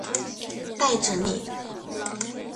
待整理